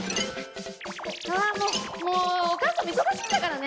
あもうもうお母さんも忙しいんだからね。